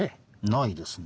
ないですね。